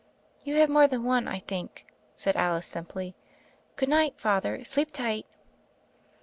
"lou have more than one, I think," said Alice simply. "Good night, Father, sleep tight."